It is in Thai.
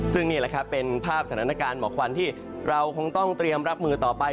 ซึ่งนี่แหละครับเป็นภาพสถานการณ์หมอกควันที่เราคงต้องเตรียมรับมือต่อไป